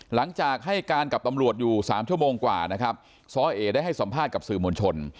หลังจากให้การกับตำรวจอยู่สามชั่วโมงกว่านะครับซ้อเอได้ให้สัมภาษณ์กับสื่อมวลชน